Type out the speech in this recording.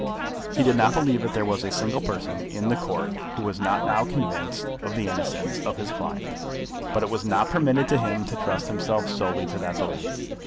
He did not believe that there was a single person in the Court who was not now convinced of the innocence of his client; but it was not permitted to him to trust himself solely to that belief.